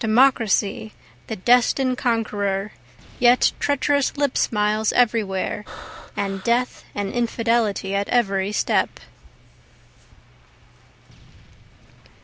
(Democracy, the destin'd conqueror, yet treacherous lip smiles everywhere, And death and infidelity at every step.)